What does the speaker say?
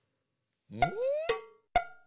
うん。